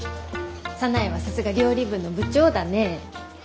早苗はさすが料理部の部長だね。